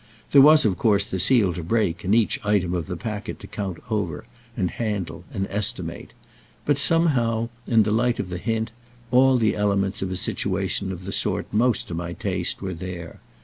There was of course the seal to break and each item of the packet to count over and handle and estimate; but somehow, in the light of the hint, all the elements of a situation of the sort most to my taste were there.